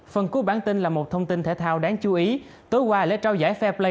phần cuối bản tin là một thông tin thể thao đáng chú ý tối qua lễ trao giải fair play